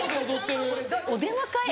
お出迎え？